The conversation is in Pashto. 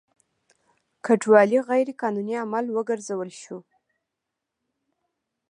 کډوالي غیر قانوني عمل وګرځول شو.